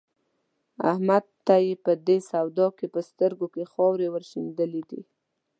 احمد ته يې په دې سودا کې په سترګو کې خاورې ور شيندلې دي.